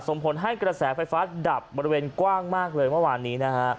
ส่งผลให้กระแสไฟฟ้าดับบริเวณกว้างมากเลยเมื่อวานนี้นะฮะ